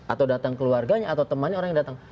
atau datang keluarganya atau temannya orang yang datang